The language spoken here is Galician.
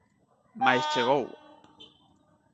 Mais chegou.